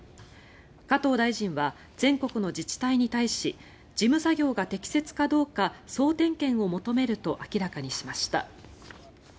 加藤大臣は全国の自治体に対し事務作業が適切かどうか総点検を求めると明らかにしました。